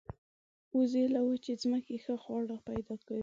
وزې له وچې ځمکې ښه خواړه پیدا کوي